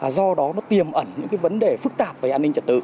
do đó nó tiềm ẩn những vấn đề phức tạp về an ninh trả tự